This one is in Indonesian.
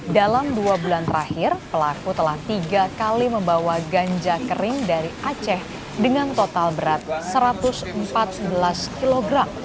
dalam dua bulan terakhir pelaku telah tiga kali membawa ganja kering dari aceh dengan total berat satu ratus empat belas kg